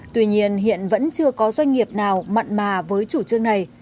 tuy nhiên hiện vẫn chưa có doanh nghiệp nào mặn mà với chủ trương này